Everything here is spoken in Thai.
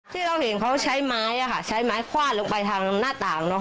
ที่เราเห็นเขาใช้ไม้ใช้ไม้ควาดลงไปทางหน้าต่าง